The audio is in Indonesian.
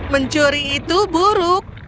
mencuri itu buruk